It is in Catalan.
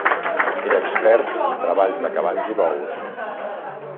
Era expert en treballs de cavalls i bous.